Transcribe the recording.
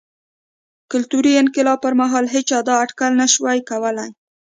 کلتوري انقلاب پر مهال هېچا دا اټکل نه شوای کولای.